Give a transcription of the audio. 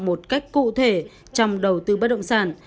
một cách cụ thể trong đầu tư bất động sản